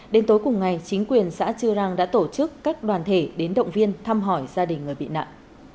đến tối cùng ngày chính quyền xã chư răng đã tổ chức các đoàn thể đến động viên thăm hỏi gia đình người bị nạn